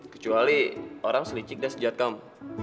kecuali orang selicik dan sejat kamu